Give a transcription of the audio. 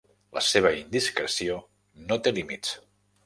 La seva indiscreció no té límits.